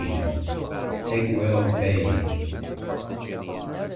PEGWELL BAY.